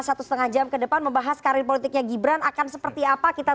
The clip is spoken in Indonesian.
satu setengah jam kedepan membahas karir politiknya gibran akan seperti apa kita